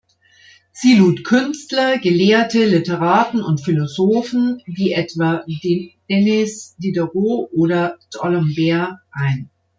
Sie lud Künstler, Gelehrte, Literaten und Philosophen wie etwa Denis Diderot oder d'Alembert ein.